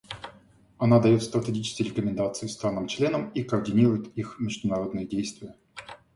Она дает стратегические рекомендации странам-членам и координирует их международные действия.